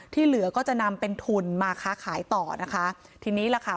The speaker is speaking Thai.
เหลือก็จะนำเป็นทุนมาค้าขายต่อนะคะทีนี้ล่ะค่ะ